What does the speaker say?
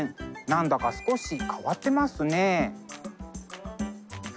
何だか少し変わってますね。